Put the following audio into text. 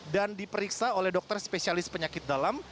dan diperiksa oleh dokter spesialis penyakit dalam